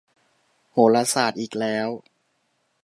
โหราศาสตร์อีกแล้ว